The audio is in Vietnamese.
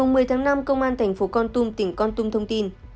ngày một mươi tháng năm công an tp con tum tỉnh con tum thông tin